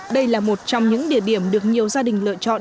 đây là một trong những địa điểm được nhiều gia đình lựa chọn